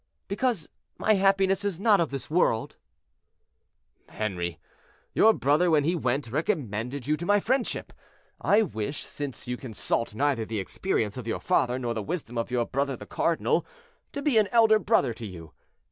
"Because my happiness is not of this world." "Henri, your brother, when he went, recommended you to my friendship. I wish, since you consult neither the experience of your father, nor the wisdom of your brother the cardinal, to be an elder brother to you.